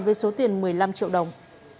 với số tiền một mươi năm triệu đồng